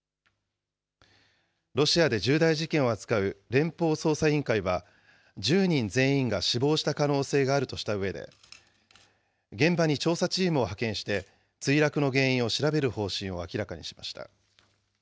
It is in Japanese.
ロシアで重大事件を扱う連邦捜査委員会は、１０人全員が死亡した可能性があるとしたうえで、現場に調査チームを派遣して、墜落の原因を調べる方針を明らかにしました。